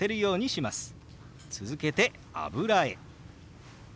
続けて「油絵」。